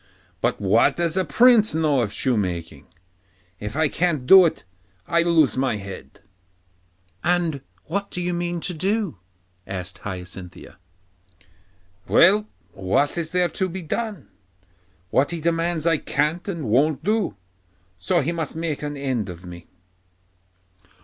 But what does a prince know of shoemaking? If I can't do it, I lose my head.' 'And what do you mean to do?' asked Hyacinthia. 'Well, what is there to be done? What he demands I can't and won't do, so he must just make an end of me.